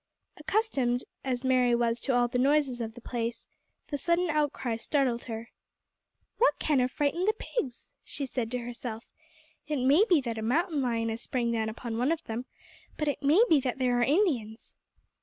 Accustomed as Mary was to all the noises of the place, the sudden outcry startled her. "What can have frightened the pigs?" she said to herself; "it may be that a mountain lion has sprang down upon one of them, but it may be that there are Indians."